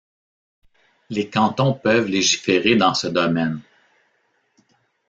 Les cantons peuvent légiférer dans ce domaine.